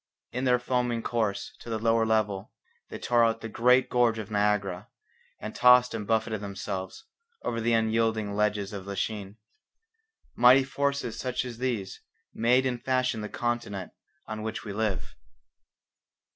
In their foaming course to the lower level they tore out the great gorge of Niagara, and tossed and buffeted themselves over the unyielding ledges of Lachine. Mighty forces such as these made and fashioned the continent on which we live.